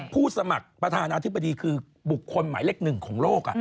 ผู้สมัครประธานาธิบดีคือบุคคลหมายเลขหนึ่งของโลก